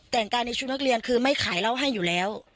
แต่งกายในชุดนักเรียนคือไม่ขายเหล้าให้อยู่แล้ว